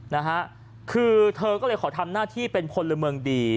นะฮะคือเธอก็เลยขอทำหน้าที่เป็นพลเมืองดี